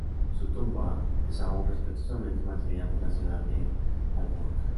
Su tumba es aún respetuosamente mantenida por la ciudad de Aalborg.